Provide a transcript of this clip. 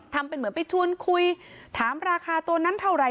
ทำเป็นเหมือนไปชวนคุยถามราคาตัวนั้นเท่าไหร